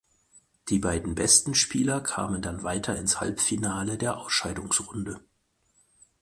Die beiden besten Spieler kamen dann weiter ins Halbfinale der Ausscheidungsrunde.